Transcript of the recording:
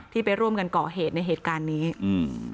ไปร่วมกันก่อเหตุในเหตุการณ์นี้อืม